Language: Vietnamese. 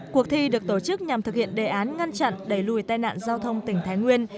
cuộc thi được tổ chức nhằm thực hiện đề án ngăn chặn đẩy lùi tai nạn giao thông tỉnh thái nguyên